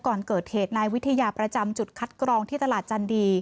ก่อนเกิดเหตุนายวิทยาประจำจุดคัดกรองที่ตลาดจันดี